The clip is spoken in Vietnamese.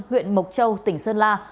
huyện mộc châu tỉnh sơn la